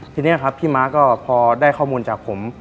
ทีนี้ครับพี่ม้าก็พอได้ข้อมูลจากผม